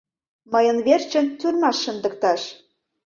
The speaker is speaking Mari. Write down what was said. Мыйын верчын тюрьмаш шындыкташ!..